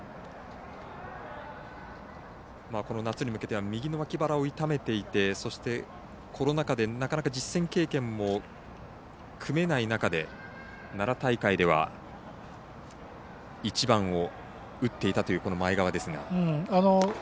この夏に向けては右のわき腹を痛めていてそして、コロナ禍でなかなか実戦経験も組めない中で奈良大会では１番を打っていたという前川です。